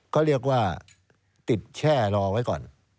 ก็เรียกว่าติดแช่รอไว้ก่อน